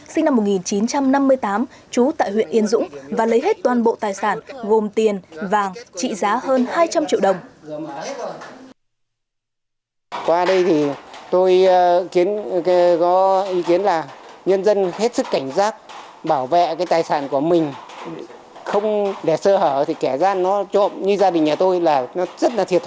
sinh năm một nghìn chín trăm năm mươi tám trú tại huyện yên dũng và lấy hết toàn bộ tài sản gồm tiền vàng trị giá hơn hai trăm linh triệu đồng